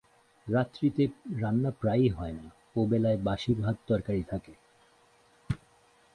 রাত্রিতে রান্না প্রায়ই হয় না, ওবেলার বাসি ভাত তবকারি থাকে।